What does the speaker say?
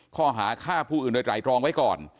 ข้อหาฆ่าผู้อื่นโดยไตรรองไว้ก่อน